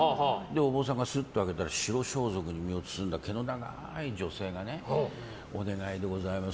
お坊さんがすっと開けたら白装束に身を包んだ毛の長い女性がお願いでございます